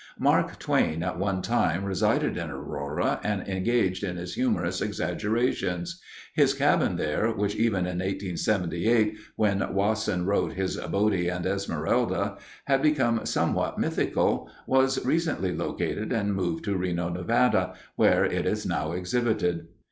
Mark Twain at one time resided in Aurora and engaged in his humorous exaggerations. His cabin there, which even in 1878, when Wasson wrote his Bodie and Esmeralda, had become somewhat mythical, was recently located and moved to Reno, Nevada, where it is now exhibited.